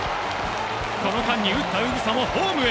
この間に打った宇草もホームへ。